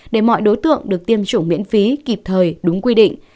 để mọi đối tượng được tiêm chủng miễn phí kịp thời đúng quy định